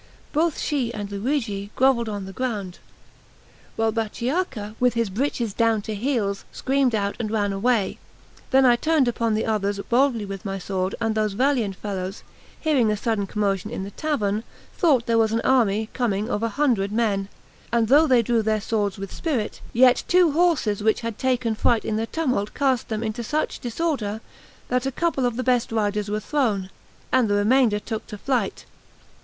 Both she and Luigi grovelled on the ground, while Bachiacca, with his breeches down to heels, screamed out and ran away. Then I turned upon the others boldly with my sword; and those valiant fellows, hearing a sudden commotion in the tavern, thought there was an army coming of a hundred men; and though they drew their swords with spirit, yet two horses which had taken fright in the tumult cast them into such disorder that a couple of the best riders were thrown, and the remainder took to flight.